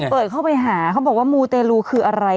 เปิดเข้าไปหาเขาบอกว่ามูเตลูคืออะไร